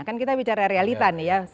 kan kita bicara realitanya ya